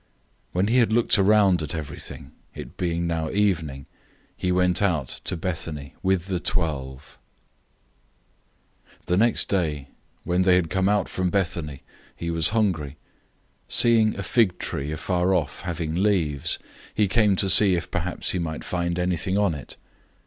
When he had looked around at everything, it being now evening, he went out to Bethany with the twelve. 011:012 The next day, when they had come out from Bethany, he was hungry. 011:013 Seeing a fig tree afar off having leaves, he came to see if perhaps he might find anything on it.